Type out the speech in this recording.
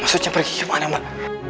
maksudnya pergi kemana mbak